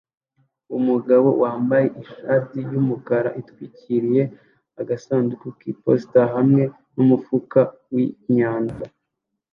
Umugabo wambaye ishati yumukara utwikiriye agasanduku k'iposita hamwe numufuka wimyanda